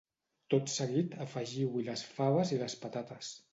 Tot seguit afegiu-hi les faves i les patates